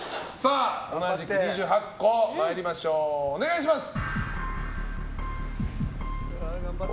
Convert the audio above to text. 同じく２８個参りましょうお願いします。